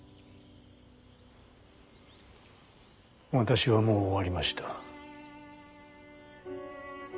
私はもう終わりました。